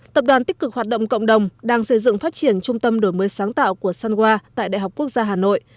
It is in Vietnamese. tập đoàn tích cực hoạt động cộng đồng đang xây dựng phát triển trung tâm đổi mới sáng tạo của sunwa tại đại học quốc gia hà nội